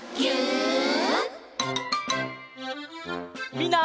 みんな。